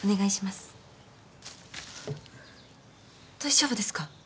大丈夫ですか！？